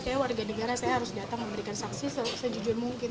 kayaknya warga negara saya harus datang memberikan saksi sejujur mungkin